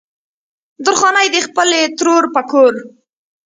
درخانۍ د خپلې ترور په کور